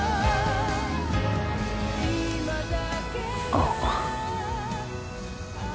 あっ。